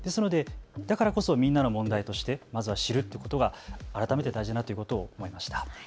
だからこそみんなの問題としてまずは知るということが改めて大事だと思いました。